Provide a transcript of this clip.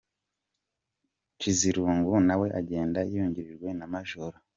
Nshizirungu, nawe agenda yungirijwe na Maj.